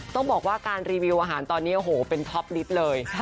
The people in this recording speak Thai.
ต้องบอกว่าการรีวิวอาหารตอนนี้โอ้โหเป็นท็อปลิฟต์เลย